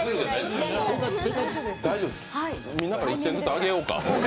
大丈夫です、みんなから１点ずつあげようか？